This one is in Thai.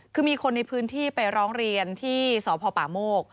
คือมีคนในพื้นที่ไปร้องเรียนที่สพป่าโมก